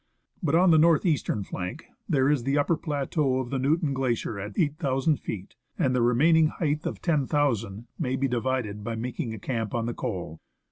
But on the north eastern flank there is the upper plateau of the Newton Glacier at 8,000 feet, and the remaining height of 10,000 may be divided by making a camp on the col.